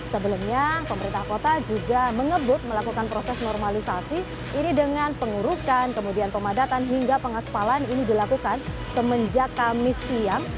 sebelumnya pemerintah kota juga mengebut melakukan proses normalisasi ini dengan pengurukan kemudian pemadatan hingga pengaspalan ini dilakukan semenjak kami siang